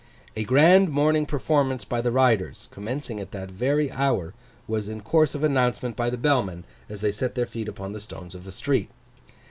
A Grand Morning Performance by the Riders, commencing at that very hour, was in course of announcement by the bellman as they set their feet upon the stones of the street.